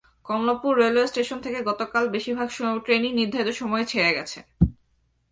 Kamalapur railway station থেকে গতকাল বেশির ভাগ ট্রেনই নির্ধারিত সময়ে ছেড়ে গেছে।